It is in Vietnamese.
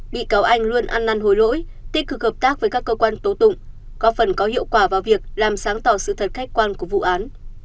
bị cáo anh luôn ăn năn hối lỗi tích cực hợp tác với các cơ quan tố tụng góp phần có hiệu quả vào việc làm sáng tỏ sự thật khách quan của vụ án